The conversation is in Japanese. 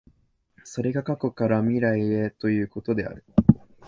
それが過去から未来へということである。